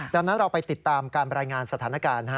ดังนั้นเราไปติดตามการรายงานสถานการณ์